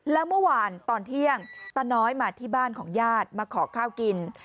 แล้วเมื่อวานตอนเที่ยงตาน้อยมาที่บ้านของญาติมาขอข้าวกิน